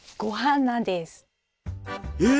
え！